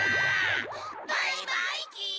バイバイキン！